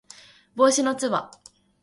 帽子のつば